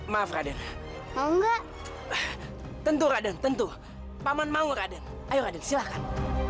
maaf raden enggak tentu raden tentu paman mau raden ayo raden silakan